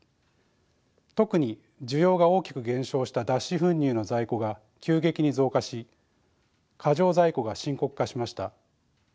特に需要が大きく減少した脱脂粉乳の在庫が急激に増加し過剰在庫が深刻化しました。